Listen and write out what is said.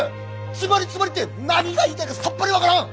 つまりつまりって何が言いたいかさっぱり分からん！